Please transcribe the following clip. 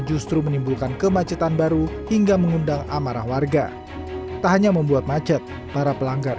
justru menimbulkan kemacetan baru hingga mengundang amarah warga tak hanya membuat macet para pelanggar